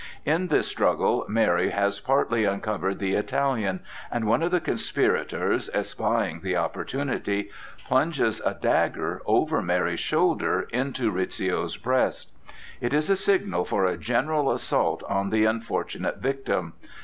In this struggle Mary has partly uncovered the Italian, and one of the conspirators, espying the opportunity, plunges a dagger over Mary's shoulder into Rizzio's breast. It is a signal for a general assault on the unfortunate victim.